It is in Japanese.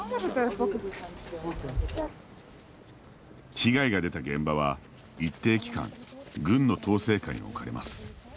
被害が出た現場は一定期間軍の統制下に置かれます。